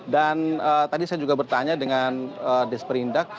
dan tadi saya juga bertanya dengan des perindak